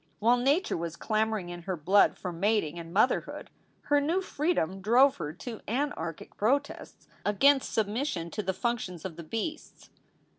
While nature was clamoring in her blood for mating and motherhood, her new freedom drove her to anarchic pro tests against submission to the functions of the beasts.